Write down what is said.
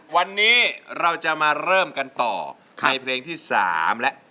วันนี้เราจะมาเริ่มกันต่อในเพลงที่๓และ